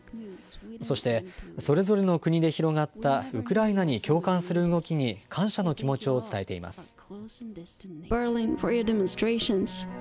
そして、それぞれの国で広がったウクライナに共感する動きに感謝の気持ちを伝えています。